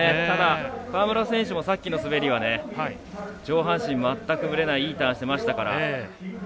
ただ、川村選手もさっきの滑りは上半身がぶれないいいターンしてましたから。